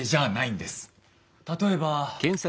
例えば。